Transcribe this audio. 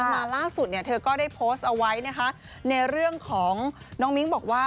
มาล่าสุดเนี่ยเธอก็ได้โพสต์เอาไว้นะคะในเรื่องของน้องมิ้งบอกว่า